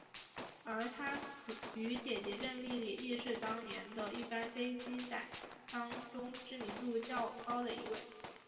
而他与姊姊郑丽丽亦是当年的一班飞机仔当中知名度较高的一位。